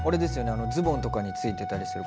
あのズボンとかについてたりする